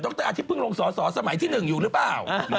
รออาทิตยเพิ่งลงสอสอสมัยที่๑อยู่หรือเปล่า